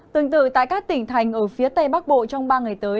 tương tự tại các tỉnh thành ở phía tây bắc bộ trong ba ngày tới